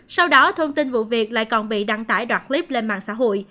sau đó thông tin vụ việc lại còn bị đăng tải đoạn clip lên mạng xã hội